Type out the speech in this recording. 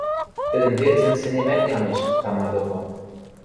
тӹдӹн верцӹн сӹнемӓт ямеш, тама доко...